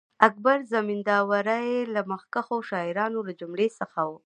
اکبر زمینداوری د مخکښو شاعرانو له جملې څخه وو.